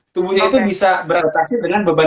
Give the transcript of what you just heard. tubuhnya itu bisa beradaptasi dengan beban